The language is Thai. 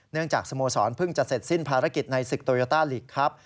จากสโมสรเพิ่งจะเสร็จสิ้นภารกิจในศึกโตโยต้าลีกครับ